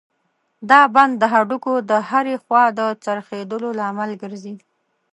دا بند د هډوکو د هرې خوا د څرخېدلو لامل ګرځي.